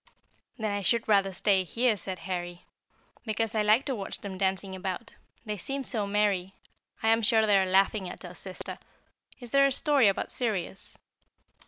"Then I should rather stay here," said Harry, "because I like to watch them dancing about. They seem so merry, I am sure they are laughing at us, sister. Is there a story about Sirius?"